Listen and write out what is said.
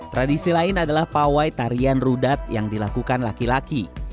tradisi lain adalah pawai tarian rudat yang dilakukan laki laki